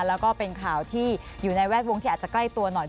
แล้วก็เป็นข่าวที่อยู่ในแวดวงที่อาจจะใกล้ตัวหน่อย